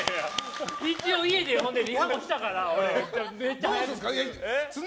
一応家でリハもしたから。